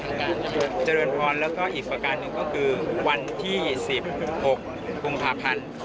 อาจารย์เจริญพรแล้วก็อีกประการหนึ่งก็คือวันที่๑๖กุมภาพันธ์